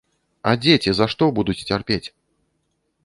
А дзеці за што будуць цярпець?